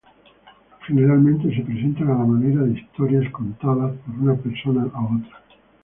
Generalmente se presentan a la manera de historias contadas por una persona a otra.